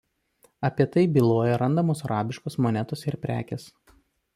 Apie tai byloja randamos arabiškos monetos ir prekės.